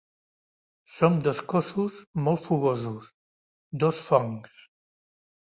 Som dos cossos molt fogosos, dos fongs.